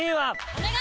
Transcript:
お願い！